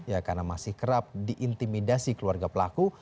ya karena masih kerap diintimidasi keluarga pelaku